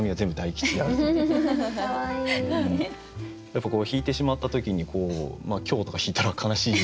やっぱこう引いてしまった時に凶とか引いたら悲しい。